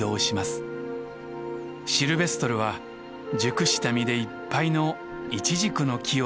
シルベストルは熟した実でいっぱいのイチジクの木を見つけました。